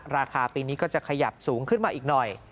ราคาปีนี้ก็จะขยับสูงขึ้นมาอีกหน่อย